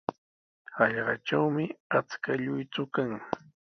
Hallqatrawmi achka lluychu kan.